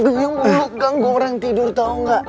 gemuk gemuk ganggu orang tidur tahu gak